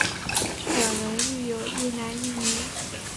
两人育有一男一女。